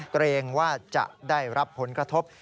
เกรงว่าจะได้รับผลกระทบ